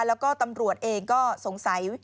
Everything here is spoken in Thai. แล้วก็ตำรวจเองก็สงสัย